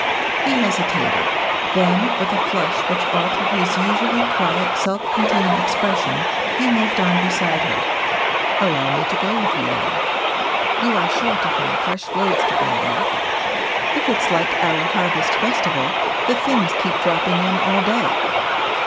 He hesitated; then, with a flush which altered his usually quiet, self contained expression, he moved on beside her. "Allow me to go with you then. You are sure to find fresh loads to bring back. If it's like our harvest festival, the things keep dropping in all day."